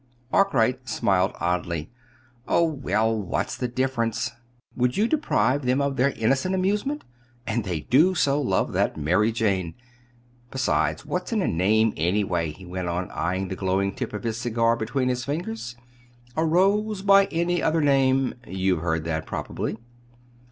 Arkwright smiled oddly. "Oh, well, what's the difference? Would you deprive them of their innocent amusement? And they do so love that 'Mary Jane'! Besides, what's in a name, anyway?" he went on, eyeing the glowing tip of the cigar between his fingers. "'A rose by any other name ' you've heard that, probably.